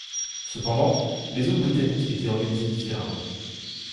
Cependant, les zones britanniques étaient organisées différemment.